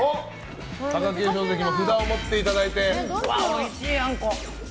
貴景勝関も札を持っていただいて。